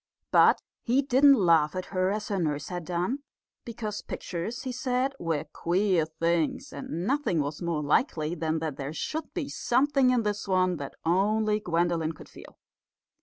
But he didn't laugh at her as her nurse had done, because pictures, he said, were queer things; and nothing was more likely than that there should be something in this one that only Gwendolen could feel.